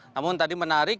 namun tadi menarik